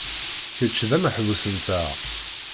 Kečč d ameḥbus-nteɣ.